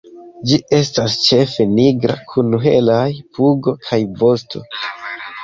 Ĝi estas ĉefe nigra kun helaj pugo kaj vosto.